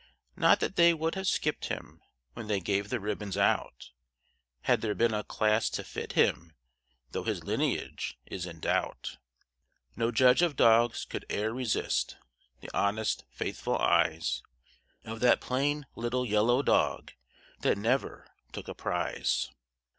Not that they would have skipped him when they gave the ribbons out, Had there been a class to fit him though his lineage is in doubt. No judge of dogs could e'er resist the honest, faithful eyes Of that plain little yellow dog that never took a prize.